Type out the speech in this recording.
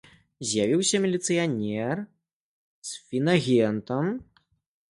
З'явіўся міліцыянер з фінагентам.